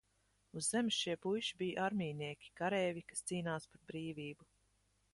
Uz Zemes šie puiši bija armijnieki, kareivji, kas cīnās par brīvību.